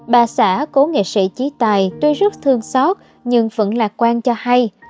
bà xã cố nghệ sĩ trí tài tuy rất thương xót nhưng vẫn lạc quan cho hay